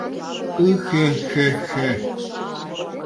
— Ыхӧ-хӧ-хӧ!..